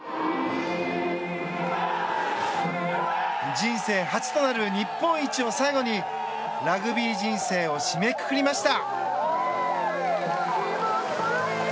人生初となる日本一を最後にラグビー人生を締めくくりました。